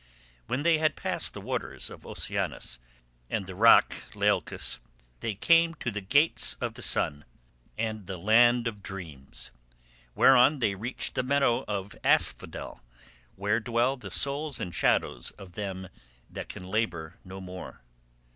When they had passed the waters of Oceanus and the rock Leucas, they came to the gates of the sun and the land of dreams, whereon they reached the meadow of asphodel where dwell the souls and shadows of them that can labour no more.